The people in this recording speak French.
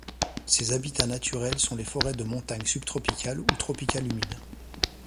Ses habitats naturels sont les forêts de montagnes subtropicales ou tropicales humides.